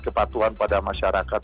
kepatuhan pada masyarakat